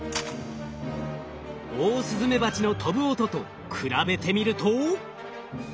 オオスズメバチの飛ぶ音と比べてみると。